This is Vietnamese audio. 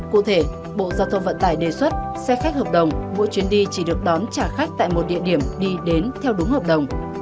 cụ thể bộ giao thông vận tải đề xuất xe khách hợp đồng mỗi chuyến đi chỉ được đón trả khách tại một địa điểm đi đến theo đúng hợp đồng